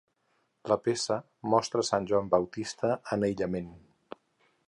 La peça mostra a Sant Joan Baptista en aïllament.